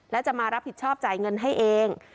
และจะมารับผิดชอบจ่ายเงินให้เอง